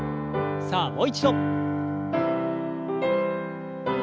さあもう一度。